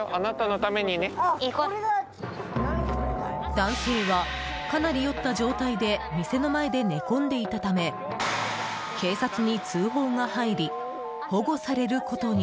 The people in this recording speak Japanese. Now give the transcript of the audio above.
男性は、かなり酔った状態で店の前で寝込んでいたため警察に通報が入り保護されることに。